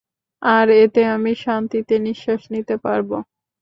আর এতে আমি শান্তিতে নিশ্বাস নিতে পারবো!